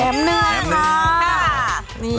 แนมเนืองค่ะ